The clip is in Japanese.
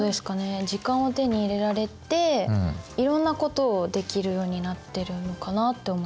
時間を手に入れられていろんなことをできるようになってるのかなって思います。